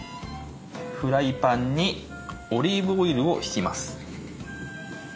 フライパンにオリーブオイルをひきます。